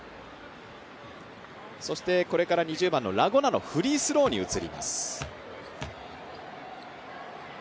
そしてこれから２０番のラ・ゴナのフリースローに移ります。